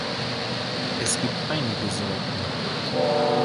Es gibt einige Sorten.